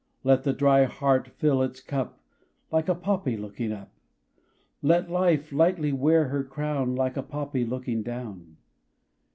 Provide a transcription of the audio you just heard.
Let the dry heart fill its cup, Like a poppy looking up; Let life lightly wear her crown, Like a poppy looking down.